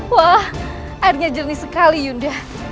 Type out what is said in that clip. wah airnya jernih sekali yuda